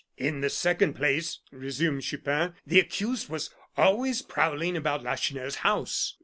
"In the second place," resumed Chupin, "the accused was always prowling about Lacheneur's house."